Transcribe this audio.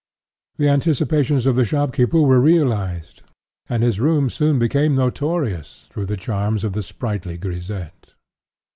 The anticipations of the shopkeeper were realized, and his rooms soon became notorious through the charms of the sprightly grisette.